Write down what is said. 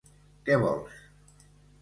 Que vols?